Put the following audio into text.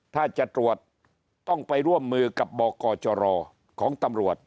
ถ้าจะตรวจต้องไปร่วมมือกับบกจรของตำรวจ